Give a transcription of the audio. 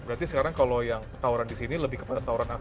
berarti sekarang kalau yang tawaran di sini lebih kepada tawuran apa